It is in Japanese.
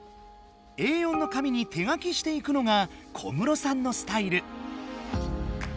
Ａ４の紙に手書きしていくのが小室さんのスタイル。